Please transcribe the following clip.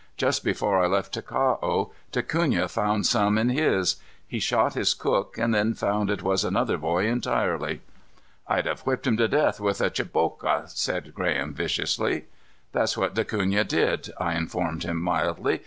Just before I left Ticao, Da Cunha found some in his. He shot his cook and then found it was another boy entirely." "I'd have whipped him to death with a chiboka," said Graham viciously. "That's what Da Cunha did," I informed him mildly.